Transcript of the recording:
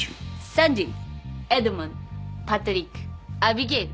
サンディエドモントパトリックアビゲイル。